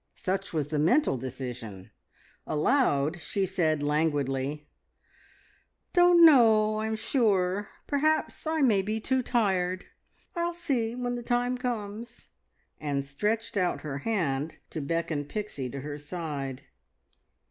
Such was the mental decision; aloud she said languidly "Don't know, I'm sure! Perhaps I may be too tired. I'll see when the time comes," and stretched out her hand to beckon Pixie to her side.